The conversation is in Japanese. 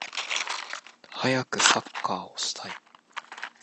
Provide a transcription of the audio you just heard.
はやくサッカーをしたい